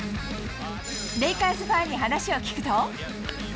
レイカーズファンに話を聞くと。